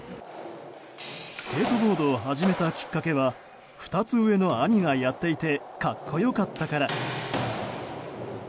スケートボードを始めたきっかけは２つ上の兄がやっていて格好良かったから。